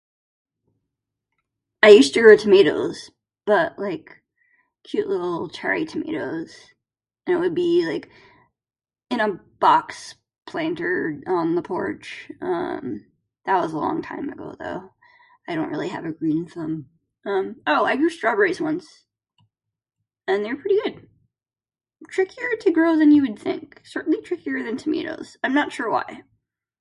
I used to grow tomatoes. But, like, cute little cherry tomatoes ,and it would be, like, in a box planter or- on the porch. Um, that was a long time ago though. I don't really have a green thumb. Um, oh, I grew strawberries once. And they were pretty good. Trickier to grow than you would think, certainly trickier than tomatoes. I'm not sure why.